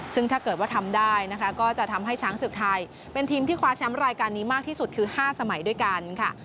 ซึ่งถ้าเกิดว่าทำได้นะคะก็จะทำให้ช้างศึกไทยเป็นทีมที่คว้าแชมป์รายการนี้มากที่สุดคือ๕สมัยด้วยกันค่ะ